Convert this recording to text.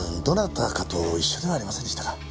どなたかと一緒ではありませんでしたか？